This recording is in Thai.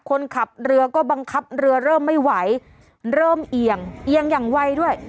คนขับเรือก็บังคับเรือเริ่มไม่ไหวเริ่มเอียงเอียงอย่างไวด้วย